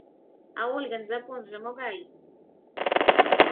— А Ольган запонжо могай!